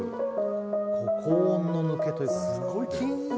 高温の抜けというかキーン。